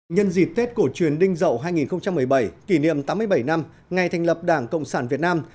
nhân dịp tết cổ truyền đinh dậu hai nghìn một mươi bảy kỷ niệm tám mươi bảy năm ngày thành lập đảng cộng sản việt nam